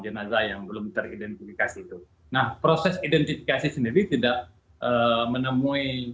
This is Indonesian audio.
jenazah yang belum teridentifikasi itu nah proses identifikasi sendiri tidak menemui